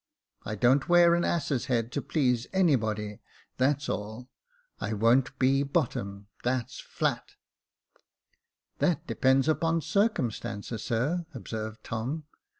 I don't wear an ass's head to please anybody — that's all. I won't be bottom — that's ^«/."" That depends upon circumstances, sir," observed Tom.